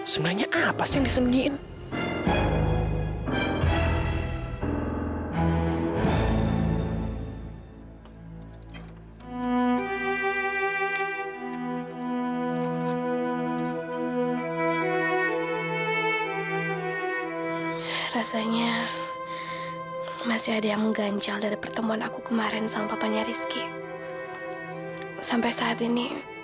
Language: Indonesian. sebenarnya apa sih yang disemunyiin